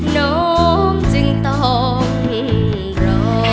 น้องจึงต้องรอ